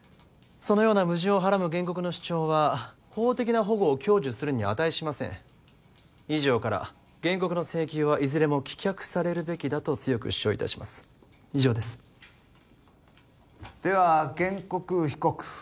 そのような矛盾をはらむ原告の主張は法的な保護を享受するに値しません以上から原告の請求はいずれも棄却されるべきだと強く主張いたします以上ですでは原告被告